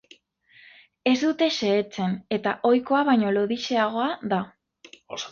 Ez dute xehetzen, eta ohikoa baino lodixeagoa da.